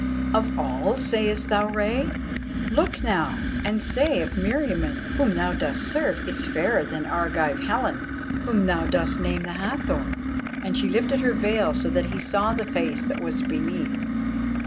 "Of all, sayest thou, Rei? Look now, and say if Meriamun, whom thou dost serve, is fairer than Argive Helen, whom thou dost name the Hathor?" and she lifted her veil so that he saw the face that was beneath.